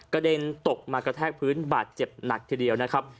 เด็นตกมากระแทกพื้นบาดเจ็บหนักทีเดียวนะครับ